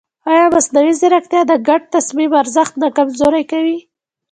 ایا مصنوعي ځیرکتیا د ګډ تصمیم ارزښت نه کمزوری کوي؟